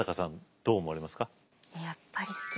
どう思われますか？